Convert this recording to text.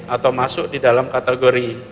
atau masuk di dalam kategori